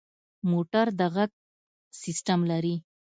موټر د غږ سیسټم لري.